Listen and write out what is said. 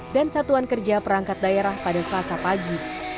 dan satuan kerja perangkat daerah pada selasa pagi